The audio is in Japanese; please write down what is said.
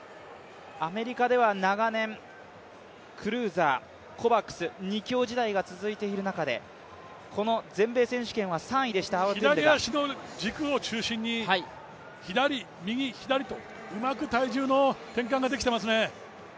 アメリカでは長年クルーザー、コバクス、２強時代が続いている中で、全米選手権はアウォトゥンデが３位でした左足の軸を中心に左、右、左とうまく体重の転換ができていますね。